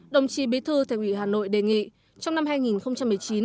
đồng chí bí thư thành ủy hà nội đề nghị trong năm hai nghìn một mươi chín